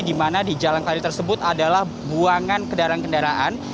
dimana di jalan kelari tersebut adalah buangan kendaraan kendaraan